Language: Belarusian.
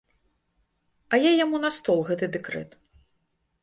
А я яму на стол гэты дэкрэт.